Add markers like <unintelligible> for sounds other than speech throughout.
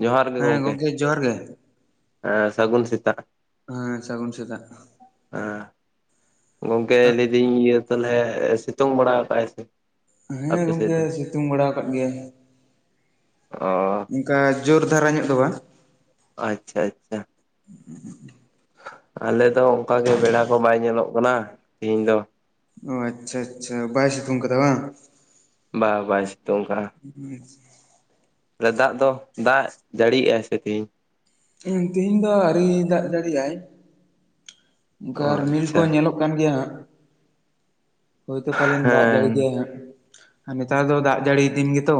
ᱡᱚᱦᱟᱨ ᱦᱮᱸ, ᱜᱚᱝᱠᱮ ᱡᱚᱦᱟᱨ ᱜᱮ᱾ ᱮᱸ ᱥᱟᱹᱜᱩᱱ ᱥᱮᱛᱟᱜ᱾ ᱦᱮᱸ ᱥᱟᱹᱜᱩᱱ ᱥᱮᱛᱟᱜ᱾ ᱮᱸ ᱜᱚᱝᱠᱮ ᱞᱟᱹᱭᱫᱟᱹᱧ ᱤᱭᱟᱹ ᱛᱟᱞᱦᱮ, ᱥᱤᱛᱩᱝ ᱵᱟᱲᱟ ᱠᱟᱜᱼᱟᱭ ᱥᱮ? ᱦᱮᱸ ᱟᱯᱮ ᱥᱮᱫ ᱜᱚᱝᱠᱮ ᱫᱚ ᱥᱤᱛᱩᱝ ᱵᱟᱲᱟ ᱟᱠᱟᱫ ᱜᱮᱭᱟᱭ᱾ ᱚ᱾ ᱚᱱᱠᱟ ᱡᱳᱨ ᱫᱷᱟᱨᱟ ᱧᱚᱜ ᱫᱚ ᱵᱟᱝ᱾ ᱟᱪᱪᱷᱟ, ᱟᱪᱪᱷᱟ᱾ ᱟᱞᱮ ᱫᱚ ᱚᱱᱠᱟ ᱜᱮ ᱵᱮᱲᱟ ᱠᱚ ᱵᱟᱭ ᱧᱮᱞᱚᱜ ᱠᱟᱱᱟ, ᱛᱤᱦᱤᱧ ᱫᱚ᱾ ᱚ ᱟᱪᱪᱷᱟ ᱟᱪᱪᱷᱟ, ᱵᱟᱭ ᱥᱤᱛᱩᱝ ᱠᱟᱫᱟ ᱵᱟᱝ? ᱵᱟᱝ ᱵᱟᱭ ᱥᱤᱛᱩᱝ ᱟᱠᱟᱜ-ᱟ᱾ <inaudible> ᱫᱟᱜ ᱫᱚ ᱫᱟᱜ ᱡᱟᱹᱲᱤᱭᱮᱜ-ᱟᱭ ᱥᱮ ᱛᱤᱦᱤᱧ? ᱛᱤᱦᱤᱧ ᱫᱚ ᱟᱹᱨᱤ ᱫᱟᱜ ᱡᱟᱹᱲᱤᱭᱟᱭ᱾ ᱚᱱᱠᱟ ᱚ ᱨᱤᱢᱤᱞ ᱠᱚ ᱟᱪᱪᱷᱟ ᱧᱮᱞᱚᱜ ᱠᱟᱱ ᱜᱮᱭᱟ ᱦᱟᱸᱜ᱾ ᱦᱳᱭᱛᱳ ᱯᱟᱞᱮᱱ ᱫᱟᱜ ᱡᱟᱹᱲᱤ ᱦᱮᱸ ᱜᱮᱭᱟᱭ ᱦᱟᱸᱜ᱾ ᱟᱨ ᱱᱮᱛᱟᱨ ᱫᱚ ᱫᱟᱜ ᱡᱟᱹᱲᱤ ᱫᱤᱱ ᱜᱮᱛᱚ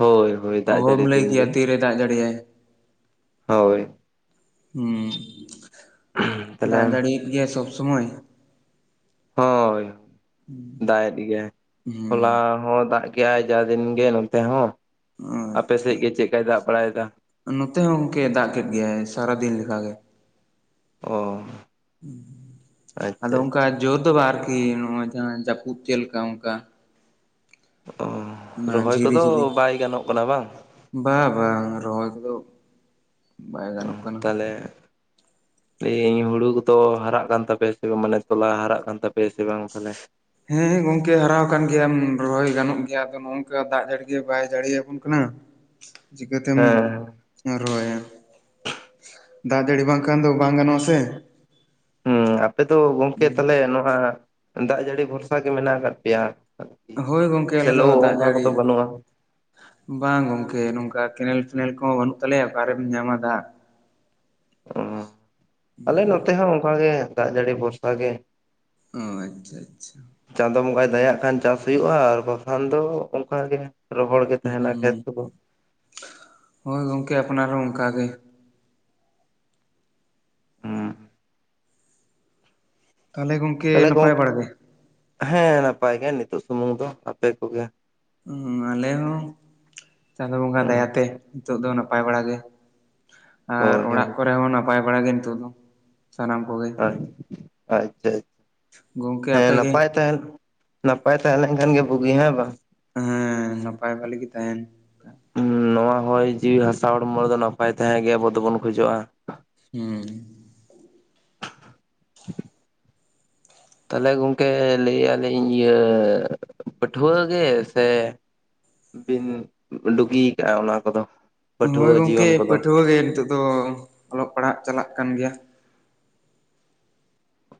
ᱦᱳᱭ ᱦᱳᱭ ᱫᱟᱜ ᱚᱦᱚᱢ ᱡᱟᱹᱲᱤ ᱞᱟᱹᱭ ᱫᱤᱱ ᱠᱮᱭᱟ ᱜᱮ ᱛᱤᱨᱮ, ᱫᱟᱜ ᱡᱟᱹᱲᱤᱭᱟᱭ᱾ ᱦᱳᱭ᱾ ᱦᱩᱸ᱾ ᱛᱟᱦᱞᱮ ᱫᱟᱜ ᱫᱟᱹᱲᱤᱭᱮᱫ ᱜᱮᱭᱟᱭ ᱥᱚᱵᱽ ᱥᱚᱢᱚᱭ᱾ ᱦᱳᱭ, ᱫᱟᱜ ᱮᱫ ᱜᱮᱭᱟᱭ, ᱦᱚᱞᱟ ᱦᱩᱸ ᱦᱚᱸ ᱫᱟᱜ ᱜᱮᱭᱟᱭ ᱡᱟ ᱫᱤᱱ ᱜᱮ ᱱᱚᱛᱮ ᱦᱚᱸ, ᱟᱪᱪᱷᱟ ᱟᱯᱮᱥᱮᱜ ᱜᱮ ᱪᱮᱜᱠᱟᱭ ᱫᱟᱜ ᱵᱟᱲᱟᱭ ᱫᱟ? ᱱᱚᱛᱮ ᱦᱚᱸ ᱜᱚᱝᱠᱮ ᱫᱟᱜ ᱠᱮᱫ ᱜᱮᱭᱟᱭ, ᱥᱟᱨᱟᱫᱤᱱ ᱞᱮᱠᱟᱜᱮ᱾ ᱚ, ᱟᱪᱪᱷᱟ ᱟᱫᱚ ᱚᱱᱠᱟ ᱟᱪᱪᱷᱟ ᱡᱳᱨ ᱫᱚ ᱵᱟᱝ ᱟᱨᱠᱤ ᱱᱚᱜᱼᱚᱭ ᱡᱟᱦᱟᱸ ᱡᱟᱹᱯᱩᱫ ᱪᱮᱫ ᱞᱮᱠᱟ ᱚᱝᱠᱟ᱾ ᱚ, ᱨᱚᱦᱚᱭ ᱠᱚᱫᱚ ᱵᱟᱭ ᱜᱟᱱᱚᱜ ᱠᱟᱱᱟ ᱵᱟᱝ? ᱵᱟ ᱵᱟᱝ, ᱨᱚᱦᱚᱭ ᱠᱚᱫᱚ, ᱵᱟᱭ ᱜᱟᱱᱚᱜ ᱠᱟᱱᱟ᱾ ᱛᱟᱞᱦᱮ, ᱤᱧ, ᱦᱩᱲᱩ ᱠᱚᱫᱚ ᱦᱟᱨᱟᱜ ᱠᱟᱱ ᱛᱟᱯᱮᱭᱟ ᱥᱮ ᱵᱟᱝ? ᱢᱟᱱᱮ ᱛᱚᱞᱟ ᱦᱟᱨᱟᱜ ᱠᱟᱱ ᱛᱟᱯᱮᱭᱟ ᱥᱮ ᱵᱟᱝ ᱛᱟᱦᱞᱮ? ᱦᱮᱸ ᱜᱚᱝᱠᱮ ᱦᱟᱨᱟᱣ ᱠᱟᱱ ᱜᱮᱭᱟᱢ ᱨᱚᱦᱚᱭ ᱜᱟᱱᱚᱜ ᱜᱮᱭᱟ ᱟᱫᱚ ᱱᱚᱜᱝᱠᱟ ᱫᱟᱜ ᱡᱟᱹᱲᱤ ᱜᱮ ᱵᱟᱭ ᱡᱟᱲᱮᱭᱟᱵᱚᱱ ᱠᱟᱱᱟ᱾ ᱪᱤᱠᱟᱹ ᱛᱮᱢ ᱦᱮᱸ ᱨᱚᱦᱚᱭᱟ, ᱫᱟᱜ ᱡᱟᱹᱲᱤ ᱵᱟᱝᱠᱷᱟᱱ ᱫᱚ ᱵᱟᱝ ᱜᱟᱱᱚᱜᱼᱟ ᱥᱮ ᱦᱩᱸ ᱟᱯᱮ ᱫᱚ ᱜᱚᱝᱠᱮ ᱛᱟᱦᱞᱮ ᱱᱚᱣᱟ ᱫᱟᱜ ᱡᱟᱹᱲᱤ ᱵᱷᱚᱨᱥᱟ ᱜᱮ ᱢᱮᱱᱟᱜ ᱟᱠᱟᱫ ᱯᱮᱭᱟ? ᱟᱨᱠᱤ ᱦᱳᱭ ᱜᱚᱝᱠᱮ ᱟᱞᱮ ᱫᱚ ᱥᱮᱞᱚ ᱫᱟᱜ ᱚᱱᱠᱟ ᱡᱟᱲᱤ ᱠᱚᱫᱚ ᱵᱟᱹᱱᱩᱜᱼᱟ ᱵᱟᱝ ᱜᱚᱝᱠᱮ ᱱᱚᱝᱠᱟ ᱠᱮᱱᱮᱞ-ᱴᱷᱮᱱᱮᱞ ᱠᱚ ᱦᱚᱸ ᱵᱟᱹᱱᱩᱜ ᱛᱟᱞᱮᱭᱟ ᱚᱠᱟᱨᱮᱢ ᱧᱟᱢᱟ ᱫᱟᱜ᱾ <unintelligible> ᱚᱸ ᱟᱞᱮ ᱱᱚᱛᱮ ᱦᱚᱸ ᱚᱝᱠᱟ ᱜᱮ, ᱫᱟᱜ ᱡᱟᱲᱤ ᱵᱷᱚᱨᱥᱟ ᱜᱮ᱾ ᱚᱸ ᱟᱪᱷᱟ ᱟᱪᱷᱟ᱾ ᱪᱟᱸᱫᱳ ᱵᱚᱸᱜᱟᱭ ᱫᱟᱭᱟᱜ ᱠᱷᱟᱱ ᱪᱟᱥ ᱦᱩᱭᱩᱜ-ᱟ᱾ ᱟᱨ ᱵᱟᱠᱷᱟᱱ ᱫᱚ ᱚᱱᱠᱟ ᱜᱮ᱾ ᱨᱚᱦᱚᱲ ᱜᱮ ᱦᱩᱸ ᱛᱟᱦᱮᱱᱟ ᱠᱷᱮᱛ ᱠᱚᱫᱚ ᱦᱩᱸ, ᱦᱳᱭ ᱜᱚᱝᱠᱮ ᱟᱯᱱᱟᱨ ᱦᱚᱸ ᱚᱱᱠᱟᱜ ᱜᱮ᱾ ᱦᱩᱸ ᱛᱟᱦᱚᱞᱮ ᱜᱚᱝ ᱛᱟᱦᱚᱞᱮ ᱜᱚᱝᱠᱮ, ᱦᱮᱸ ᱱᱟᱯᱟᱭ ᱜᱮ ᱱᱤᱛᱳᱜ ᱥᱩᱢᱩᱝ ᱫᱚ ᱟᱯᱮ ᱠᱚ ᱜᱮ? ᱟᱞᱮ ᱦᱚᱸ ᱪᱟᱸᱫᱳ ᱵᱚᱸᱜᱟ ᱦᱩᱸ ᱫᱟᱭᱟ ᱛᱮ ᱱᱤᱛᱚᱜ ᱫᱚ ᱱᱟᱯᱟᱭ ᱵᱟᱲᱟ ᱜᱮ᱾ ᱟᱨ ᱦᱳᱭ ᱚᱲᱟᱜ ᱦᱳᱭ ᱠᱚᱨᱮ ᱦᱚᱸ ᱱᱟᱯᱟᱭ ᱵᱟᱲᱟ ᱜᱮ ᱱᱤᱛᱚᱜ ᱫᱚ, ᱥᱟᱱᱟᱢ ᱠᱚ ᱜᱮ? ᱟᱪᱷᱟ ᱟᱪᱷᱟ, ᱜᱚᱝᱠᱮ ᱦᱮᱸ ᱟᱯᱮ ᱜᱮ ᱱᱟᱯᱟᱭ ᱛᱟᱦᱮᱱ ᱱᱟᱯᱟᱭ ᱛᱟᱦᱮᱸ ᱞᱮᱱ ᱠᱷᱟᱱ ᱜᱮ ᱵᱩᱜᱤ ᱦᱮᱸ ᱵᱟᱝ? ᱦᱮᱸ ᱱᱟᱯᱟᱭ ᱵᱷᱟᱞᱤ ᱜᱮ ᱛᱟᱦᱮᱱ, ᱚᱸ ᱱᱚᱣᱟ ᱦᱚᱭ ᱡᱤᱣᱤ ᱦᱟᱥᱟ ᱦᱚᱲᱢᱚ ᱨᱮᱫᱚ ᱱᱟᱯᱟᱭ ᱛᱟᱦᱮᱸ ᱜᱮ ᱟᱵᱚ ᱫᱚᱵᱚᱱ ᱠᱷᱚᱡᱚᱜ-ᱟ᱾ ᱦᱩᱸ᱾ ᱛᱟᱦᱚᱞᱮ ᱜᱚᱝᱠᱮ ᱞᱟᱹᱭᱮᱜᱟᱞᱤᱧ ᱤᱭᱟᱹ, ᱯᱟᱹᱴᱷᱣᱟᱹ ᱜᱮ ᱥᱮ? ᱵᱤᱱ ᱰᱩᱜᱤ ᱠᱟᱜ-ᱟ ᱚᱱᱟ ᱠᱚ ᱫᱚ? ᱦᱳᱭ ᱜᱚᱝᱠᱮ ᱯᱟᱹᱴᱷᱣᱟᱹ ᱜᱮ ᱱᱤᱛᱚᱜ ᱫᱚ, ᱚᱞᱚᱜ ᱯᱟᱲᱦᱟᱜ ᱪᱟᱞᱟᱜ ᱠᱟᱱ ᱜᱮᱭᱟ᱾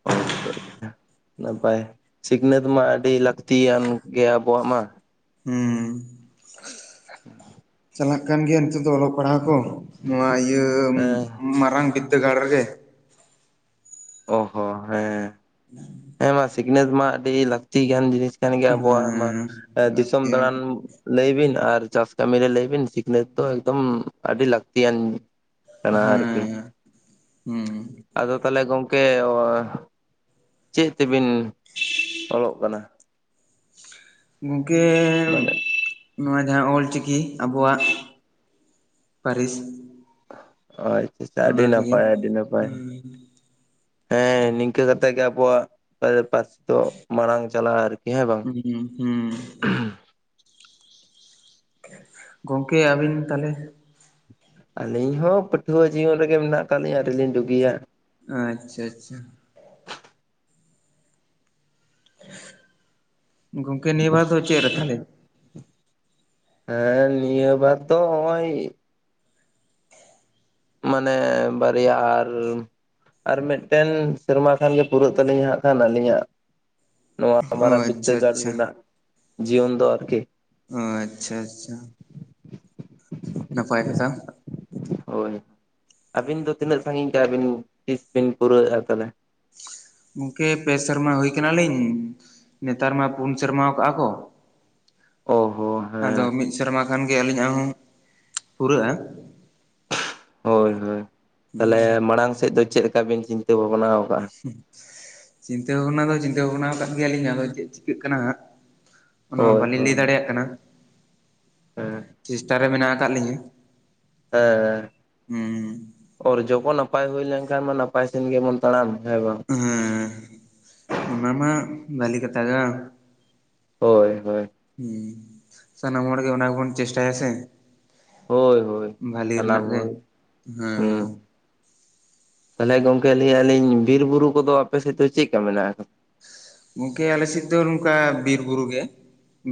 ᱟᱪᱷᱟ ᱟᱪᱷᱟ᱾ ᱱᱟᱯᱟᱭ, ᱥᱤᱠᱷᱱᱟᱹᱛ ᱢᱟ ᱟᱹᱰᱤ ᱞᱟᱹᱠᱛᱤᱭᱟᱱ ᱜᱮᱭᱟ ᱟᱵᱚᱣᱟᱜ ᱢᱟ᱾ ᱦᱩᱸ, ᱪᱟᱞᱟᱜ ᱠᱟᱱ ᱜᱮᱭᱟ ᱱᱤᱛᱚᱜ ᱫᱚ ᱚᱞᱚᱜ ᱯᱟᱲᱦᱟᱣ ᱠᱚ, ᱱᱚᱣᱟ ᱤᱭᱟᱹ, ᱦᱮᱸ ᱢᱟᱨᱟᱝ ᱵᱤᱫᱽᱫᱟᱹᱜᱟᱲ ᱨᱮᱜᱮ᱾ ᱚ ᱦᱚ ᱦᱮᱸ᱾ <inaudible> ᱦᱮᱸ ᱢᱟ ᱥᱤᱠᱷᱱᱟᱹᱛ ᱢᱟ ᱟᱹᱰᱤ ᱞᱟᱹᱠᱛᱤ ᱜᱟᱱ ᱡᱤᱱᱤᱥ ᱠᱟᱱ ᱜᱮᱭᱟ ᱟᱵᱚᱣᱟᱜ ᱢᱟ᱾ ᱦᱮᱸ ᱫᱤᱥᱚᱢ ᱞᱟᱹᱠᱛᱤᱭᱟᱱ ᱫᱟᱬᱟᱱ ᱞᱟᱹᱭ ᱵᱤᱱ ᱟᱨ ᱪᱟᱥ ᱠᱟᱹᱢ ᱨᱮ ᱞᱟᱹᱭ ᱵᱤᱱ ᱥᱤᱠᱷᱱᱟᱹᱛ ᱫᱚ ᱮᱠᱫᱚᱢ ᱟᱹᱰᱤ ᱞᱟᱹᱠᱛᱤᱭᱟᱱ ᱠᱟᱱᱟ ᱟᱨᱠᱤ᱾ ᱦᱮᱸ ᱦᱩᱸ ᱟᱫᱚ ᱛᱟᱦᱞᱮ ᱜᱚᱝᱠᱮ ᱪᱮᱫ ᱛᱮ ᱵᱤᱱ ᱚᱞᱚᱜ ᱠᱟᱱᱟ? ᱜᱚᱝᱠᱮᱻ ᱢᱟᱱᱮ ᱱᱚᱣᱟ ᱡᱟᱦᱟᱸ ᱚᱞ ᱪᱤᱠᱤ ᱟᱵᱚᱣᱟᱜ ᱯᱟᱹᱨᱤᱥ ᱟᱪᱪᱷᱟ ᱪᱷᱟ ᱟᱹᱰᱤ ᱚᱱᱟ ᱛᱮᱜᱮ ᱱᱟᱯᱟᱭ ᱟᱹᱰᱤ ᱱᱟᱯᱟᱭ᱾ ᱦᱩᱸ ᱦᱮᱸ ᱱᱤᱝᱠᱟᱹ ᱠᱟᱛᱮᱜ ᱜᱮ ᱟᱵᱚᱣᱟᱜ ᱯᱟ-ᱯᱟᱥᱹᱨᱥᱤ ᱫᱚ ᱢᱟᱲᱟᱝ ᱪᱟᱞᱟᱜ-ᱟ ᱟᱨᱠᱤ᱾ ᱦᱮᱸ ᱵᱟᱝ ᱦᱩᱸ ᱦᱩᱸ᱾ ᱜᱚᱝᱠᱮ ᱟᱹᱵᱤᱱ ᱛᱟᱞᱦᱮ ᱟᱹᱞᱤᱧ ᱦᱚᱸ ᱯᱟᱹᱴᱷᱩᱣᱟᱹ ᱡᱤᱭᱚᱱ ᱨᱮ ᱜᱮ ᱢᱮᱱᱟᱜ ᱟᱠᱟᱫ ᱞᱤᱧᱟᱹ ᱟᱹᱣᱨᱤᱞᱤᱧ ᱵᱟᱹᱜᱤᱭᱟ᱾ ᱟᱪᱪᱷᱟ ᱪᱷᱟ᱾ ᱜᱚᱝᱠᱮ ᱱᱤᱭᱟᱹ ᱵᱟᱨ ᱫᱚ ᱪᱮᱫ ᱨᱮ ᱛᱟᱦᱞᱮ? ᱦᱮᱸ ᱱᱤᱭᱟᱹ ᱵᱟᱨ ᱫᱚ ᱦᱚᱸᱜ-ᱚᱭ ᱢᱟᱱᱮ ᱵᱟᱨᱭᱟ ᱟᱨ ᱟᱨ ᱢᱮᱫᱴᱮᱱ ᱥᱮᱨᱢᱟ ᱠᱷᱟᱱ ᱜᱮ ᱯᱩᱨᱟᱹᱜ ᱛᱟᱹᱞᱤᱧᱟ ᱦᱟᱸᱜ ᱠᱷᱟᱱ ᱟᱹᱞᱤᱧᱟᱜ ᱱᱚᱣᱟ ᱚ ᱢᱟᱨᱟᱝ ᱟᱪᱪᱷᱟ ᱵᱤᱫᱽᱫᱟᱹᱜᱟᱲ ᱟᱪᱪᱷᱟ ᱨᱮᱱᱟᱜ ᱡᱤᱭᱚᱱ ᱫᱚ ᱟᱨ ᱠᱤ᱾ ᱟᱪᱪᱷᱟ ᱟᱪᱪᱷᱟ᱾ ᱱᱟᱯᱟᱭ ᱠᱟᱛᱷᱟ᱾ ᱦᱳᱭ᱾ ᱟᱹᱵᱤᱱ ᱫᱚ ᱛᱤᱱᱟᱹᱜ ᱥᱟᱺᱜᱤᱧ ᱠᱟᱜ-ᱟ ᱵᱤᱱ ᱛᱤᱥ ᱵᱤᱱ ᱯᱩᱨᱟᱹᱣᱮᱜ-ᱟ ᱛᱟᱦᱞᱮ? ᱜᱚᱝᱠᱮ ᱯᱮ ᱥᱮᱨᱢᱟ ᱦᱩᱭ ᱟᱠᱟᱱᱟ ᱞᱤᱧ ᱱᱮᱛᱟᱨ ᱢᱟ ᱯᱩᱱ ᱥᱮᱨᱢᱟ ᱟᱠᱟᱜ-ᱟ ᱠᱚ᱾ ᱚ ᱦᱚ᱾ ᱟᱫᱚ ᱢᱤᱫ ᱥᱮᱨᱢᱟ ᱠᱷᱟᱱ ᱜᱮ ᱟᱹᱞᱤᱧᱟᱜ ᱦᱚᱸ ᱯᱩᱨᱟᱹᱜ-ᱟ᱾ ᱦᱳᱭ ᱦᱳᱭ᱾ ᱛᱟᱦᱞᱮ ᱢᱟᱲᱟᱝ ᱥᱮᱡ ᱫᱚ ᱪᱮᱫᱞᱮᱠᱟ ᱵᱤᱱ ᱪᱤᱱᱛᱟᱹ ᱵᱷᱟᱵᱽᱱᱟᱣ ᱠᱟᱜ-ᱟ? ᱦᱩᱸ, ᱪᱤᱱᱛᱟᱹ ᱵᱷᱟᱵᱽᱱᱟ ᱫᱚ ᱪᱤᱱᱛᱟᱹ ᱵᱷᱟᱵᱽᱱᱟᱣ ᱠᱟᱫ ᱜᱮᱭᱟᱞᱤᱧ ᱟᱫᱚ ᱪᱮᱫ ᱪᱤᱠᱟᱹᱜ ᱠᱟᱱᱟ ᱦᱟᱸᱜ᱾ ᱚᱱᱟᱢᱟ ᱦᱳᱭ ᱵᱟᱞᱤᱧ ᱞᱟᱹᱭ ᱦᱳᱭ ᱫᱟᱲᱮᱭᱟᱜ ᱠᱟᱱᱟ ᱦᱮᱸ ᱪᱮᱥᱴᱟ ᱨᱮ ᱢᱮᱱᱟᱜ ᱟᱠᱟᱫ ᱞᱤᱧᱟᱹ᱾ ᱦᱮᱸ᱾ ᱦᱩᱸ ᱚᱨᱡᱚ ᱠᱚ ᱱᱟᱯᱟᱭ ᱦᱩᱭ ᱞᱮᱱᱠᱷᱟᱱ ᱢᱟ ᱱᱟᱯᱟᱭ ᱥᱮᱱ ᱜᱮᱵᱚᱱ ᱛᱟᱲᱟᱢ ᱦᱮᱸ ᱵᱟᱝ᱾ ᱦᱩᱸ, ᱚᱱᱟᱢᱟ ᱵᱷᱟᱹᱞᱤ ᱠᱟᱛᱷᱟ ᱜᱟ᱾ ᱦᱳᱭ ᱦᱳᱭ᱾ ᱦᱩᱸ, ᱥᱟᱱᱟᱢ ᱦᱚᱲ ᱜᱮ ᱚᱱᱟ ᱜᱮ ᱵᱚᱱ ᱪᱮᱥᱴᱟᱭᱟ ᱥᱮ᱾ ᱦᱳᱭ ᱦᱳᱭ ᱵᱷᱟᱹᱞᱤ ᱨᱮᱱᱟᱜ ᱥᱟᱱᱟᱢ ᱜᱮ ᱦᱚᱲ, ᱦᱮᱸ ᱦᱩᱸ᱾ ᱛᱟᱦᱞᱮ ᱜᱚᱝᱠᱮ ᱞᱟᱹᱭᱮᱜ-ᱟ ᱞᱤᱧ ᱵᱤᱨ ᱵᱩᱨᱩ ᱠᱚᱫᱚ ᱟᱯᱮ ᱥᱮᱡ ᱫᱚ ᱪᱤᱜᱠᱟ ᱢᱮᱱᱟᱜ ᱟᱠᱟᱫᱟ? ᱜᱚᱝᱠᱮ ᱟᱞᱮ ᱥᱮᱡ ᱫᱚ ᱱᱚᱝᱠᱟ ᱵᱤᱨ ᱵᱩᱨᱩ ᱜᱮ,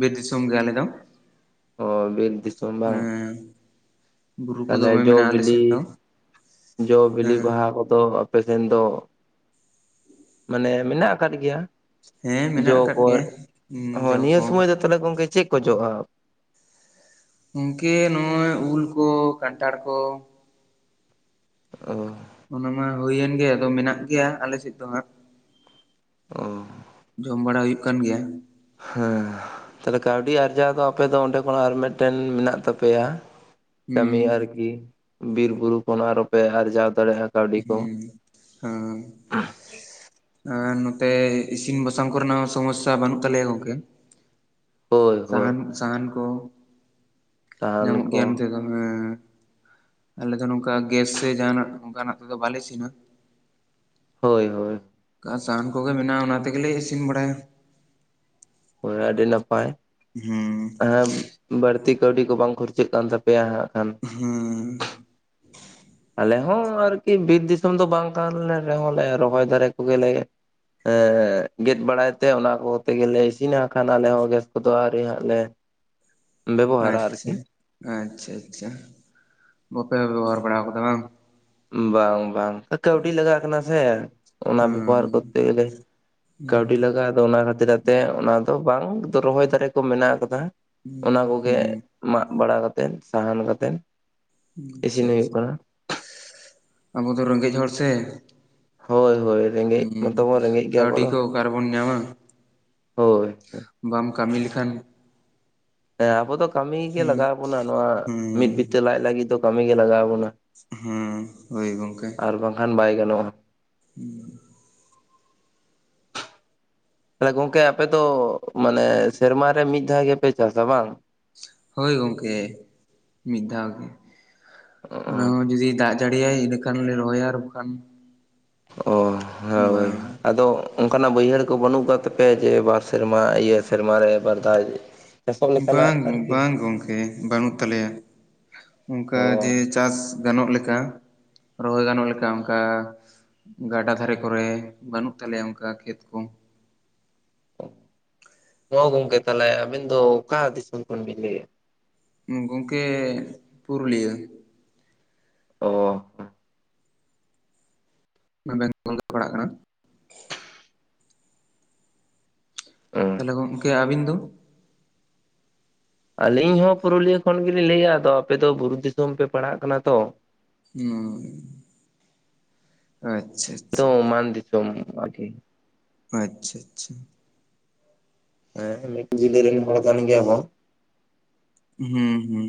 ᱵᱤᱨ ᱫᱤᱥᱚᱢ ᱜᱮ ᱟᱞᱮ ᱫᱚ᱾ ᱚ, ᱵᱤᱨ ᱫᱤᱥᱚᱢ ᱵᱟᱝ? ᱦᱮᱸ ᱵᱩᱨᱩ ᱠᱚ ᱛᱟᱦᱞᱮ ᱫᱚᱢᱮ ᱢᱮᱱᱟᱜᱼᱟ ᱟᱞᱮ ᱡᱚ-ᱵᱤᱞᱤ, ᱥᱮᱫ ᱫᱚ ᱡᱚ-ᱵᱤᱞᱤ ᱦᱮᱸ ᱵᱟᱦᱟ ᱠᱚᱫᱚ ᱟᱯᱮᱥᱮᱱ ᱫᱚ ᱢᱟᱱᱮ ᱢᱮᱱᱟᱜ ᱟᱠᱟᱫ ᱜᱮᱭᱟ ᱦᱮᱸ ᱡᱚ ᱢᱮᱱᱟᱜ ᱟᱠᱟᱫ ᱠᱚ᱾ ᱜᱮᱭᱟ ᱦᱚᱸ ᱡᱚ ᱱᱤᱭᱟᱹ ᱠᱚ ᱥᱩᱢᱚᱭ ᱫᱚ ᱛᱟᱦᱞᱮ ᱜᱚᱝᱠᱮ ᱪᱮᱫ ᱠᱚ ᱡᱚᱜ-ᱟ? ᱜᱚᱝᱠᱮ ᱱᱚᱜ-ᱚᱭ ᱩᱞ ᱠᱚ, ᱠᱟᱱᱴᱷᱟᱲ ᱠᱚ᱾ ᱚ᱾ ᱚᱱᱟ ᱢᱟ ᱦᱩᱭᱮᱱ ᱜᱮ ᱟᱫᱚ ᱢᱮᱱᱟᱜ ᱜᱮᱭᱟ ᱟᱞᱮ ᱥᱮᱡ ᱫᱚ ᱦᱟᱸᱜ᱾ ᱚ ᱡᱚᱢ ᱵᱟᱲᱟ ᱦᱩᱭᱩᱜ ᱠᱟᱱ ᱜᱮᱭᱟ᱾ ᱦᱮᱸ, ᱛᱟᱦᱞᱮ ᱠᱟᱹᱣᱰᱤ ᱟᱨᱡᱟᱣ ᱫᱚ ᱟᱯᱮ ᱫᱚ ᱚᱸᱰᱮ ᱠᱷᱚᱱᱟᱜ ᱟᱨ ᱢᱮᱫᱴᱮᱱ ᱢᱮᱱᱟᱜ ᱛᱟᱯᱮᱭᱟ? ᱦᱩᱸ ᱠᱟᱹᱢᱤ ᱟᱨᱠᱤ ᱵᱤᱨ ᱵᱩᱨᱩ ᱠᱷᱚᱱ ᱟᱨᱚᱯᱮ ᱟᱨᱡᱟᱣ ᱫᱟᱲᱮᱭᱟᱜ-ᱟ᱾ ᱦᱮᱸ ᱦᱚᱸ ᱟᱨ ᱱᱚᱛᱮ ᱤᱥᱤᱱ ᱵᱟᱥᱟᱝ ᱠᱚᱨᱮᱱᱟᱜ ᱥᱚᱢᱚᱥᱥᱟ ᱵᱟᱹᱱᱩᱜ ᱛᱟᱞᱮᱭᱟ ᱜᱚᱝᱠᱮ᱾ ᱦᱳᱭ ᱦᱳᱭ ᱥᱟᱦᱟᱱ ᱥᱟᱦᱟᱱ ᱠᱚ ᱥᱟᱦᱟᱱ ᱧᱟᱢᱚᱜ ᱠᱚ ᱜᱮᱭᱟ ᱱᱚᱛᱮ ᱫᱚ᱾ ᱦᱮᱸ ᱟᱞᱮ ᱫᱚ ᱱᱚᱝᱠᱟ ᱜᱮᱥ ᱥᱮ ᱡᱟᱦᱟᱸᱱᱟᱜ ᱚᱱᱠᱟᱱᱟᱜ ᱛᱮᱫᱚ ᱵᱟᱞᱮ ᱤᱥᱤᱱᱟ᱾ ᱦᱳᱭ - ᱦᱳᱭ ᱠᱟ ᱥᱟᱦᱟᱱ ᱠᱚᱜᱮ ᱢᱮᱱᱟᱜᱼᱟ ᱚᱱᱟ ᱛᱮ ᱜᱮᱞᱮ ᱤᱥᱤᱱ ᱵᱟᱲᱟᱭᱼᱟ᱾ ᱦᱳᱭ ᱟᱹᱰᱤ ᱱᱟᱯᱟᱭ ᱦᱩᱸ ᱦᱮᱸ ᱵᱟᱹᱲᱛᱤ ᱠᱟᱹᱣᱰᱤ ᱠᱚ ᱵᱟᱝ ᱠᱷᱩᱨᱪᱟᱹᱜ ᱠᱟᱱ ᱛᱟᱯᱮᱭᱟ ᱦᱟᱸᱜ ᱠᱷᱟᱱ᱾ ᱦᱩᱸ ᱟᱞᱮ ᱦᱚᱸ ᱟᱨᱠᱤ ᱵᱤᱨ ᱫᱤᱥᱚᱢ ᱫᱚ ᱵᱟᱝ ᱠᱟᱱ ᱨᱮᱦᱚᱸ ᱞᱮ ᱨᱚᱦᱚᱭ ᱫᱟᱨᱮ ᱠᱚᱜᱮ ᱞᱮ ᱮᱸᱜ ᱜᱮᱫ ᱵᱟᱲᱟᱭ ᱛᱮ ᱚᱱᱟ ᱠᱚᱛᱮ ᱜᱮᱞᱮ ᱤᱥᱤᱱᱟ ᱠᱷᱟᱱ ᱟᱞᱮ ᱦᱚᱸ ᱜᱮᱥ ᱠᱚᱫᱚ ᱟᱹᱣᱨᱤ ᱦᱟᱸᱜ ᱞᱮ <inaudible> ᱵᱮᱵᱚᱦᱟᱨᱟ ᱟᱨᱠᱤ ᱟᱪᱪᱷᱟ ᱟᱪᱪᱷᱟ ᱟᱪᱪᱷᱟ ᱵᱟᱯᱮ ᱵᱮᱵᱚᱦᱟᱨ ᱵᱟᱲᱟ ᱟᱠᱟᱫᱟ ᱵᱟᱝ? ᱵᱟᱝ ᱵᱟᱝ ᱠᱟᱹᱣᱰᱤ ᱞᱟᱜᱟᱜ ᱠᱟᱱᱟ ᱥᱮ ᱾ ᱚᱱᱟ ᱦᱮᱸ ᱵᱮᱵᱚᱦᱟᱨ ᱠᱚᱨᱛᱮ ᱜᱮᱞᱮ ᱦᱮᱸ ᱠᱟᱹᱣᱰᱤ ᱞᱟᱜᱟᱜᱼᱟ ᱟᱫᱚ ᱚᱱᱟ ᱠᱷᱟᱹᱛᱤᱨ ᱟᱛᱮ ᱚᱱᱟ ᱛᱚ ᱵᱟᱝ ᱛᱚ ᱨᱚᱦᱚᱭ ᱫᱟᱨᱮ ᱠᱚ ᱢᱮᱱᱟᱜ ᱟᱠᱟᱫᱟ ᱚᱱᱟ ᱠᱚᱜᱮ ᱦᱮᱸ ᱢᱟᱜ ᱵᱟᱲᱟ ᱠᱟᱛᱮᱫ ᱥᱟᱦᱟᱱ ᱠᱟᱛᱮᱱ᱾ <unintelligible> ᱟᱵᱚ ᱫᱚ ᱨᱮᱸᱜᱮᱡ ᱦᱚᱲ ᱥᱮ ᱦᱳᱭ ᱦᱳᱭ ᱨᱮᱸᱜᱮᱡ ᱦᱮᱸ ᱢᱟᱛᱚ ᱵᱚᱱ ᱨᱮᱸᱜᱮᱡ ᱜᱮᱭᱟ ᱟᱵᱚ ᱠᱟᱹᱣᱰᱤ ᱫᱚ, ᱠᱚ ᱚᱠᱟ ᱨᱮᱵᱚᱱ ᱧᱟᱢᱟ ᱦᱳᱭ ᱵᱟᱢ ᱠᱟᱢᱤ ᱞᱮᱠᱷᱟᱱ ᱦᱮᱸ ᱟᱵᱚ ᱫᱚ ᱠᱟᱢᱤ ᱜᱮ ᱦᱩᱸ ᱞᱟᱜᱟᱣ ᱵᱚᱱᱟ, ᱱᱚᱣᱟ ᱢᱤᱫ ᱦᱩᱸ ᱵᱤᱛᱟᱹ ᱞᱟᱡ ᱞᱟᱜᱤᱫ ᱫᱚ ᱠᱟᱹᱢᱤ ᱜᱮ ᱞᱟᱜᱟᱣ ᱵᱚᱱᱟ᱾ ᱦᱩᱸ ᱦᱳᱭ ᱜᱚᱝᱠᱮ᱾ ᱠᱷᱟᱱ ᱵᱟᱭ ᱜᱟᱱᱚᱜᱼᱟ᱾ <inaudible> ᱛᱟᱦᱞᱮ ᱜᱚᱝᱠᱮ ᱟᱯᱮ ᱫᱚ ᱢᱟᱱᱮ ᱥᱮᱨᱢᱟ ᱨᱮ ᱢᱤᱫ ᱫᱷᱟᱣ ᱜᱮᱯᱮ ᱪᱟᱥᱟ ᱵᱟᱝ? ᱦᱳᱭ ᱜᱚᱝᱠᱮ ᱢᱤᱫ ᱫᱷᱟᱣ ᱜᱮ, ᱚᱱᱟ ᱦᱚᱸ ᱡᱩᱫᱤ ᱫᱟᱜ ᱡᱟᱹᱲᱤᱭᱟᱭ ᱤᱱᱟᱹ ᱠᱷᱟᱱᱞᱮ ᱨᱚᱦᱚᱭᱟ ᱟᱨ ᱵᱟᱠᱷᱟᱱ ᱚ ᱦᱳᱭ ᱵᱟᱝ ᱟᱫᱚ ᱚᱱᱠᱟᱱᱟᱜ ᱵᱟᱹᱭᱦᱟᱹᱲ ᱠᱚ ᱵᱟᱹᱱᱩᱜ ᱟᱠᱟᱫ ᱛᱟᱯᱮᱭᱟ ᱡᱮ ᱵᱟᱨ ᱥᱮᱨᱢᱟ ᱤᱭᱟᱹ ᱥᱮᱨᱢᱟᱨᱮ ᱵᱟᱨᱫᱷᱟᱣ ᱪᱟᱥᱚᱜ ᱞᱮᱠᱟᱱᱟᱜ ᱟᱨᱠᱤ᱾ ᱦᱮᱸ ᱵᱟᱹᱱᱩᱜ ᱛᱟᱞᱮᱭᱟ᱾ ᱚ ᱚᱱᱠᱟ ᱡᱮ ᱪᱟᱥ ᱜᱟᱱᱚᱜ ᱞᱮᱠᱟ ᱨᱚᱦᱚᱭ ᱜᱟᱱᱚᱜ ᱞᱮᱠᱟ ᱚᱱᱠᱟ ᱜᱟᱰᱟ ᱫᱷᱟᱨᱮ ᱠᱚᱨᱮ ᱵᱟᱹᱱᱩᱜ ᱛᱟᱞᱮᱭᱟ ᱚᱱᱠᱟ ᱠᱷᱮᱛ ᱠᱚ᱾ ᱦᱚ ᱜᱚᱝᱠᱮ ᱛᱟᱦᱚᱞᱮ ᱟᱹᱵᱤᱱ ᱫᱚ ᱚᱠᱟ ᱫᱤᱥᱚᱢ ᱠᱷᱚᱱ ᱵᱤᱱ ᱞᱟᱹᱭᱮᱫᱼᱟ? ᱜᱚᱝᱠᱮ ᱯᱩᱨᱩᱞᱤᱭᱟᱹ ᱚ <unintelligible> - - ᱯᱟᱲᱟᱜ ᱠᱟᱱᱟ <inaudible> ᱚ <inaudible> ᱛᱟᱞᱦᱮ ᱜᱚᱢᱠᱮ ᱟᱹᱵᱤᱱ ᱫᱚ? ᱟᱞᱤᱧ ᱦᱚᱸ ᱯᱩᱨᱩᱞᱤᱭᱟᱹ ᱠᱷᱚᱱ ᱜᱮᱞᱤᱧ ᱞᱟᱹᱭᱮᱫᱭᱟ ᱟᱫᱚ ᱟᱯᱮᱫᱚ ᱵᱩᱨᱩ ᱫᱤᱥᱚᱢ ᱯᱮ ᱯᱟᱲᱦᱟᱜ ᱠᱟᱱᱟ ᱛᱚ᱾ ᱦᱸ ᱟᱪᱪᱷᱟᱼᱼ ᱛᱚ ᱢᱟᱱᱫᱤᱥᱚᱢ ᱟᱨᱠᱤ᱾ ᱟᱪᱪᱷᱟ ᱟᱪᱪᱷᱟ ᱾ ᱦᱮᱸ ᱢᱤᱫ ᱡᱤᱞᱟᱹ ᱨᱤᱱ ᱦᱚᱲ ᱠᱟᱱ ᱜᱮᱭᱟᱵᱚ ᱾ ᱦᱩᱸ ᱦᱩᱸ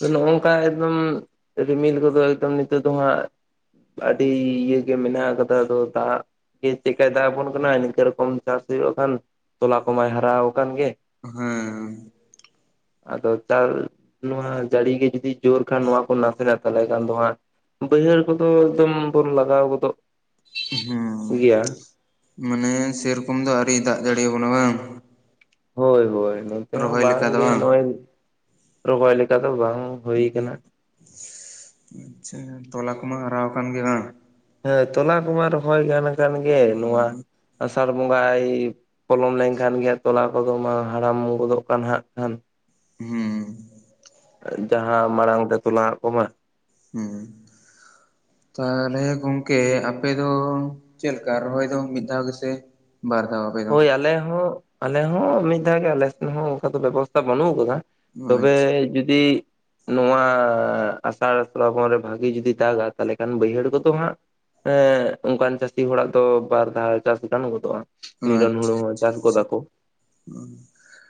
ᱱᱚᱜᱼᱚᱭ ᱱᱚᱝᱠᱟ ᱮᱠᱫᱚᱢ ᱨᱤᱢᱤᱞ ᱠᱚᱫᱚ ᱮᱠᱫᱚᱢ ᱱᱤᱛᱚᱜ ᱫᱚᱦᱟᱸᱜᱼᱼ ᱟᱹᱰᱤ ᱤᱭᱟᱹ ᱜᱮ ᱢᱮᱱᱟᱜ ᱠᱟᱫᱟ ᱟᱫᱚ ᱫᱟᱜᱼᱼ ᱪᱮᱫ ᱪᱮᱠᱟᱹᱭ ᱫᱟᱜ ᱟᱵᱚ ᱠᱟᱱᱟ ᱱᱤᱝᱠᱟᱹ ᱨᱮ ᱠᱚᱢ ᱪᱟᱥ ᱦᱩᱭᱩᱜ ᱵᱟᱠᱷᱟᱱ ᱾ ᱛᱚᱞᱟ ᱠᱚᱢᱟᱭ ᱦᱟᱨᱟᱣ ᱟᱠᱟᱱ ᱜᱮ ᱾ ᱦᱮᱸ ᱟᱫᱚ ᱫᱟᱜ ᱱᱚᱣᱟᱼᱼ ᱡᱟᱹᱲᱤ ᱜᱮ ᱡᱩᱫᱤ ᱡᱳᱨ ᱠᱷᱟᱱ ᱱᱚᱣᱟ ᱠᱚ ᱱᱟᱥᱮᱱᱟᱜ ᱛᱟᱞᱦᱮ ᱠᱷᱟᱱ ᱫᱚ ᱦᱟᱸᱜᱼᱼ ᱵᱟᱹᱭᱦᱟᱹᱲ ᱠᱚᱫᱚ ᱮᱠᱫᱚᱢ ᱵᱚᱱ ᱞᱟᱜᱟᱣ ᱜᱚᱫᱚᱜᱼᱼ ᱦᱩᱸ, ᱢᱟᱱᱮ ᱥᱮᱨᱚᱠᱚᱢ ᱫᱚ ᱟᱹᱣᱨᱤᱭ ᱫᱟᱜ ᱡᱟᱲᱤᱭᱟ ᱵᱚᱱᱟ ᱵᱟᱝ? ᱦᱳᱭ ᱦᱳᱭ ᱱᱚᱛᱮ ᱦᱚᱸ ᱨᱚᱦᱚᱭ ᱞᱮᱠᱟ ᱫᱚ ᱵᱟᱝᱜᱮ ᱵᱟᱝ? ᱱᱚᱜᱼᱚᱭ, ᱨᱚᱦᱚᱭ ᱞᱮᱠᱟ ᱫᱚ ᱵᱟᱝ ᱾ ᱟᱪᱪᱷᱟ ᱛᱚᱞᱟ ᱠᱚᱢᱟ ᱦᱟᱨᱟᱣ ᱟᱠᱟᱱ ᱜᱮ ᱵᱟᱝ ᱾ ᱦᱮᱸ ᱛᱚᱞᱟ ᱠᱚᱢᱟ ᱨᱚᱦᱚᱭ ᱜᱟᱱ ᱟᱠᱟᱱ ᱜᱮ, ᱱᱚᱣᱟ ᱟᱥᱟᱲ ᱵᱚᱸᱜᱟᱭᱼᱼ ᱯᱚᱞᱚᱢ ᱞᱮᱱᱠᱷᱟᱱ ᱜᱮ ᱛᱚᱞᱟ ᱠᱚᱫᱚ ᱢᱟ ᱦᱟᱲᱟᱢ ᱜᱚᱫᱚᱜ ᱠᱟᱱ ᱦᱟᱸᱜ ᱠᱷᱟᱱ ᱾ ᱦᱩᱸ ᱡᱟᱦᱟᱸ ᱢᱟᱲᱟᱝ ᱛᱮ ᱛᱚᱞᱟ ᱦᱟᱸᱜ ᱠᱚᱢᱟ ᱾ ᱦᱩᱸ ᱛᱟᱦᱚᱞᱮ ᱜᱚᱝᱠᱮ ᱟᱯᱮ ᱫᱚ ᱪᱮᱫ ᱞᱮᱠᱟ ᱨᱚᱦᱚᱭ ᱫᱚ ᱢᱤᱫ ᱫᱷᱟᱣ ᱜᱮᱥᱮ? ᱵᱟᱨ ᱫᱷᱟᱣ ᱾ ᱦᱚᱭ ᱟᱞᱮ ᱦᱚᱸ ᱟᱞᱮ ᱦᱚᱸ ᱢᱤᱫ ᱫᱷᱟᱣ ᱜᱮ, ᱟᱞᱮᱥᱮᱫ ᱦᱚᱸ ᱚᱱᱠᱟ ᱫᱚ ᱵᱮᱵᱚᱥᱛᱷᱟ ᱵᱟᱹᱱᱩᱜ ᱟᱠᱟᱫᱟ ᱾ ᱛᱚᱵᱮ ᱟᱪᱪᱷᱟ ᱡᱩᱫᱤ ᱱᱚᱣᱟᱼᱼ ᱟᱥᱟᱲ ᱥᱮᱨᱟᱵᱚᱱ ᱨᱮ ᱵᱷᱟᱹᱜᱤ ᱡᱩᱫᱤ ᱫᱟᱜᱟᱭ ᱛᱟᱦᱞᱮ ᱠᱷᱟᱱ ᱵᱟᱹᱭᱦᱟᱹᱲ ᱠᱚᱫᱚ ᱦᱟᱸᱜᱼᱼ ᱦᱮᱸ ᱚᱱᱠᱟᱱ ᱪᱟᱹᱥᱤ ᱦᱚᱲᱟᱜ ᱫᱚ ᱵᱟᱨ ᱫᱷᱟᱣ ᱪᱟᱥ ᱜᱟᱱ ᱜᱚᱫᱚᱜᱼᱟ ᱾ ᱱᱤᱨᱚᱱ ᱦᱩᱲᱩ ᱦᱚᱸ ᱪᱟᱥ ᱜᱚᱫᱟ ᱠᱚ ᱾ ᱦᱩᱸ <unintelligible>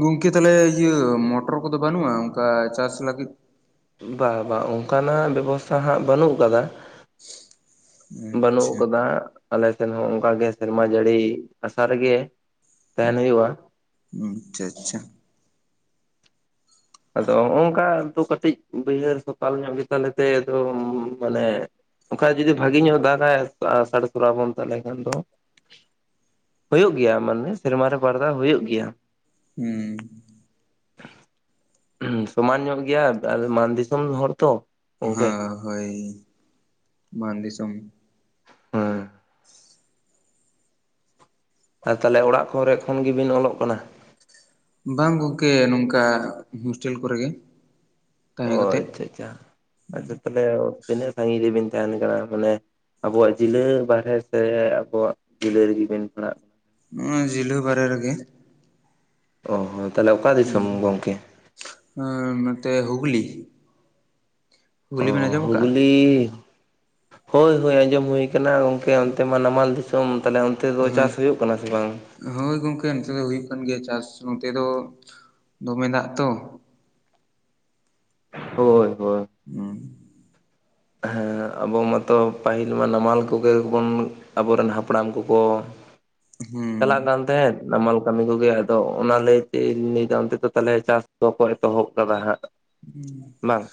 ᱜᱚᱝᱠᱮ ᱛᱟᱦᱞᱮ ᱤᱭᱟᱹ ᱢᱚᱴᱚᱨ ᱠᱚᱫᱚ ᱵᱟᱹᱱᱩᱜᱼᱟ ᱚᱱᱠᱟ ᱪᱟᱥ ᱞᱟᱹᱜᱤᱫ? ᱵᱟ-ᱦ ᱵᱟ-ᱦ ᱚᱱᱠᱟᱱᱟᱜ ᱵᱮᱵᱚᱥᱛᱷᱟ ᱦᱟᱸᱜ ᱵᱟᱹᱱᱩᱜ ᱟᱠᱟᱫᱟ ᱾ ᱵᱟᱹᱱᱩᱜ ᱟᱪᱪᱷᱟ ᱠᱟᱫᱟ ᱟᱞᱮ ᱥᱮᱫ ᱦᱚᱸ ᱚᱱᱠᱟ ᱜᱮ ᱥᱮᱨᱢᱟ ᱡᱟᱹᱲᱤᱼᱼ ᱟᱥᱟ ᱨᱮᱜᱮ ᱛᱟᱦᱮᱸᱱ ᱦᱩᱭᱩᱜᱼᱟ ᱾ ᱦᱩᱸ ᱟᱪᱪᱷᱟ ᱟᱪᱪᱷᱟ ᱾ ᱟᱫᱚ ᱱᱚᱜᱼᱚᱝᱠᱟ ᱫᱚ ᱠᱟᱹᱴᱤᱡ ᱵᱟᱹᱭᱦᱟᱹᱲ ᱠᱚ ᱯᱟᱠ ᱧᱚᱜ ᱜᱮ ᱛᱟᱞᱮᱸᱛᱮ ᱟ ᱫᱚ ᱢᱟᱱᱮᱼᱼ ᱚᱱᱠᱟ ᱡᱩᱫᱤ ᱵᱷᱟᱹᱜᱤ ᱧᱚᱜᱼᱮ ᱫᱟᱜᱟ ᱟᱥᱟᱲᱹ ᱥᱨᱚᱵᱚᱱ ᱛᱟᱦᱚᱸᱞᱮ ᱠᱷᱟᱱ ᱫᱚᱼᱼ ᱦᱩᱭᱩᱜ ᱜᱮᱭᱟ ᱢᱟᱱᱮ ᱥᱮᱨᱢᱟᱨ ᱨᱮ ᱵᱟᱨ ᱫᱟᱣ ᱦᱩᱭᱩᱜ ᱜᱮᱭᱟ ᱾ ᱦᱩᱸ ᱥᱚᱢᱟᱱ ᱧᱚᱜ ᱜᱮᱭᱟ ᱛᱟᱦᱞᱮ ᱢᱟ ᱫᱤᱥᱚᱢ ᱦᱚᱲ ᱛᱚ ᱾ ᱦᱚ ᱦᱳᱭ ᱱᱚᱭᱟ ᱫᱤᱥᱚᱢ ᱦᱚᱸ ᱟᱨ ᱛᱟᱦᱚᱸᱞᱮ ᱚᱲᱟᱜ ᱠᱚᱨᱮ ᱠᱷᱚᱱ ᱜᱮ ᱵᱤᱱ ᱚᱞᱚᱜ ᱠᱟᱱᱟ? ᱵᱟᱝ ᱜᱚᱝᱠᱮ ᱱᱚᱝᱠᱟ ᱦᱳᱥᱴᱮᱞ ᱠᱚᱨᱮ ᱜᱮ ᱾ ᱚ ᱟᱪᱪᱷᱟ ᱟᱪᱪᱷᱟ ᱟᱪᱪᱷᱟ, ᱛᱟᱦᱞᱮ ᱛᱤᱱᱟᱹᱜ ᱥᱟ, ᱜᱤᱧ ᱨᱮᱵᱤᱱ ᱛᱟᱦᱮᱱ ᱠᱟᱱᱟ? ᱢᱟᱹᱱᱮ᱾ ᱟᱵᱚᱣᱟᱜ ᱡᱮᱞᱟᱹ ᱵᱟᱨᱦᱮ ᱥᱮ ᱟᱵᱚᱣᱟᱜ ᱡᱮᱞᱟᱹ ᱨᱮᱜᱮ ᱵᱮᱱ ᱯᱟᱲᱟᱜᱼᱼ ᱱᱚᱣᱟ ᱡᱤᱞᱟᱹ ᱵᱟᱨᱮ ᱨᱮ ᱜᱮ᱾ ᱚ ᱦᱚᱸ ᱛᱟᱦᱞᱮ ᱚᱠᱟ ᱫᱤᱥᱚᱢ ᱜᱚᱝᱠᱮ? ᱚᱸ ᱱᱚᱛᱮ ᱦᱩᱜᱽᱞᱤ ᱾ ᱚ ᱦᱩᱜᱽᱞᱤ ᱦᱚᱭ ᱦᱚᱭ ᱟᱸᱡᱚᱢ ᱦᱩᱭ ᱟᱠᱟᱱᱟ ᱜᱚᱝᱠᱮ ᱚᱱᱛᱮ ᱢᱟ ᱱᱟᱢᱟᱞ ᱫᱤᱥᱚᱢ ᱛᱟᱦᱚᱸᱞᱮ ᱚᱱᱛᱮ ᱫᱚ ᱦᱮᱸ ᱪᱟᱥ ᱦᱩᱭᱩᱜ ᱠᱟᱱᱟ ᱥᱮ ᱵᱟᱝ᱾ ᱦᱳᱭ ᱜᱚᱝᱠᱮ ᱱᱚᱛᱮ ᱫᱚ ᱦᱩᱭᱩᱜ ᱠᱟᱱ ᱜᱮᱭᱟ. ᱪᱟᱥ ᱱᱚᱛᱮ ᱫᱚ ᱫᱚᱢᱮ ᱫᱟᱜ ᱛᱚ ᱦᱚᱭ ᱦᱚᱭ ᱦᱩᱸ ᱟᱸᱵᱚ ᱢᱟ ᱛᱚ ᱯᱟᱹᱦᱤᱞ ᱢᱟ ᱱᱟᱢᱟᱞ ᱠᱚ ᱜᱮ ᱵᱚᱱ ᱟᱵᱚᱨᱮᱱ ᱦᱟᱯᱲᱟᱢ ᱠᱚᱠᱚ ᱦᱩᱸ ᱪᱟᱞᱟᱜ ᱠᱟᱱ ᱛᱟᱦᱮᱸᱫ ᱱᱟᱢᱟᱞ ᱠᱟᱹᱢᱤ ᱠᱚ ᱜᱮ ᱟᱫᱚ ᱚᱱᱟ ᱞᱟᱹᱭᱛᱮᱧ ᱞᱟ. ᱭᱫᱟ ᱚᱱᱛᱮ ᱫᱚ ᱛᱟᱦᱚᱞᱮ ᱪᱟᱥ ᱫᱚ ᱠᱚ ᱮᱛᱚᱦᱚᱵ ᱟᱠᱟᱫᱟ ᱦᱟᱸᱜ᱾ ᱵᱟᱝ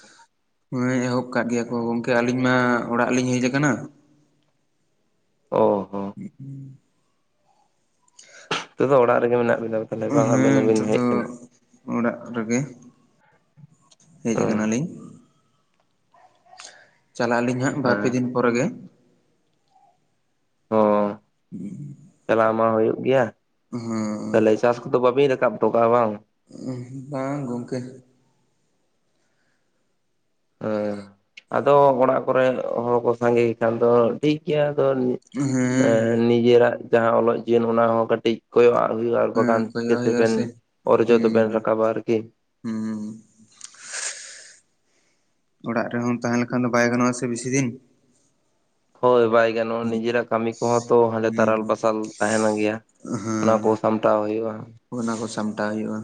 ᱦᱩᱸ.... ᱦᱮᱸ ᱮᱦᱚᱵ ᱟᱠᱟᱫ ᱜᱮᱭᱟ ᱠᱚ ᱜᱚᱝᱠᱮ ᱟᱹᱞᱤᱧ ᱢᱟ ᱚᱲᱟᱜ ᱞᱤᱧ ᱦᱮᱡ ᱟᱠᱟᱱᱟ᱾ ᱚ ᱦᱚ ᱦᱩᱸ ᱦᱩᱸ ᱱᱤᱛᱚᱜ ᱫᱚ ᱚᱲᱟᱜ ᱨᱮ ᱜᱮ ᱢᱮᱱᱟᱜ ᱵᱮᱱᱟ ᱛᱟᱦᱚᱞᱮ ᱵᱟᱝ? ᱟᱵᱮᱱ ᱦᱮᱸ ᱦᱚᱸ ᱵᱮᱱ ᱱᱤᱛᱚᱜ ᱦᱮᱡ ᱫᱚ ᱟᱠᱟᱱᱟ ᱚᱲᱟᱜ ᱨᱮ ᱜᱮ ᱦᱮᱡ ᱟᱠᱟᱱᱟ ᱦᱩᱸ ᱞᱤᱧ ᱪᱟᱞᱟᱜ ᱟᱹᱞᱤᱧ ᱦᱟᱸᱜ ᱵᱟᱨ ᱯᱮ ᱦᱮᱸ ᱫᱤᱱ ᱯᱚᱨᱮ ᱜᱮ ᱚ ᱪᱟᱞᱟᱣ ᱢᱟ ᱦᱩᱭᱩᱜ ᱜᱮᱭᱟ᱾ ᱛᱟᱦᱞᱮ ᱦᱮᱸ ᱪᱟᱥ ᱠᱚ ᱫᱚ ᱵᱟᱵᱤᱱ ᱨᱟᱠᱟᱵ ᱚᱴᱚ ᱠᱟᱜ-ᱟ ᱵᱟᱝ? ᱵᱟᱝ ᱜᱚᱝᱠᱮ ᱦᱮᱸ ᱟᱫᱚ ᱚᱲᱟᱜ ᱠᱚᱨᱮ ᱦᱚᱲ ᱠᱚ ᱥᱟᱸᱜᱮ ᱜᱮ ᱠᱷᱟᱱ ᱫᱚ ᱴᱷᱤᱠ ᱜᱮᱭᱟ ᱟᱫᱚ ᱟᱺ.... ᱦᱮᱸ ᱦᱮᱸ ᱱᱤᱡᱮᱨᱟᱜ ᱡᱟᱦᱟᱸ ᱚᱞᱚᱜ ᱡᱤᱭᱚᱱ ᱚᱱᱟ ᱦᱚᱸ ᱠᱟᱹᱴᱤᱡ ᱠᱳᱭᱳᱜ ᱟᱜ ᱦᱩᱭᱩᱜᱼᱟ ᱟᱨ ᱦᱮᱸ ᱵᱟᱠᱷᱟᱱ ᱪᱤᱠᱟ. ᱠᱚᱭᱚᱜ ᱛᱮ ᱦᱩᱭᱩᱜᱼᱟ ᱵᱮᱱ ᱥᱮ ᱚᱨᱡᱚ ᱫᱚ ᱦᱩᱸ ᱵᱮᱱ ᱨᱟᱠᱟᱵᱟ ᱟᱨ ᱠᱤ ᱦᱩᱸ ᱚᱲᱟᱜ ᱨᱮᱦᱚᱸᱢ ᱛᱟᱦᱮᱸ ᱞᱮᱱᱠᱷᱟᱱ ᱫᱚ ᱵᱟᱭ ᱜᱟᱱᱚᱜᱼᱟ ᱥᱮ ᱵᱮᱥᱤ ᱫᱤᱱ ᱦᱳᱭ ᱵᱟᱭ ᱜᱟᱱᱚᱜᱼᱟ ᱱᱤᱡᱮᱨᱟᱜ ᱠᱟᱹᱢᱤ ᱠᱚᱦᱚᱸ ᱛᱚ ᱦᱟᱱᱰᱮ ᱦᱩᱸ ᱛᱟᱨᱟᱞ ᱵᱟᱥᱟᱞ ᱛᱟᱦᱮᱱ ᱜᱮᱭᱟ᱾ ᱚᱱᱟ ᱦᱮᱸ ᱠᱚ ᱥᱟᱢᱴᱟᱣ ᱦᱩᱭᱩᱜᱼᱟ ᱚᱱᱟ ᱠᱚ ᱥᱟᱢᱴᱟᱣ ᱦᱩᱭᱩᱜᱼᱟ